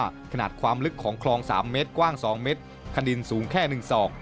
ขนาดความลึกของคลอง๓เมตรกว้าง๒เมตรคณินสูงแค่๑ศอก